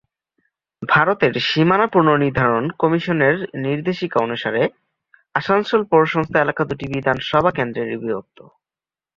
ভারতের সীমানা পুনর্নির্ধারণ কমিশনের নির্দেশিকা অনুসারে, আসানসোল পৌরসংস্থা এলাকা দুটি বিধানসভা কেন্দ্রে বিভক্ত।